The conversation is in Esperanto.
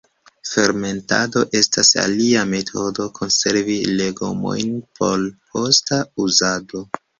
Fermentado estas alia metodo konservi legomojn por posta uzado.